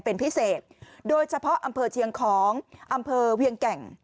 เป็นพิเศษโดยเฉพาะอำเภอเชียงของอำเภอเวียงแก่ง